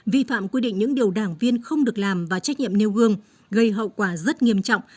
vi phạm quy định những điều đảng viên không được làm và trách nhiệm nêu gương gây hậu quả rất nghiêm trọng